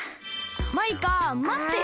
マイカまってよ。